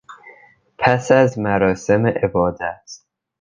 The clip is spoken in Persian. پس از مراسم عبادت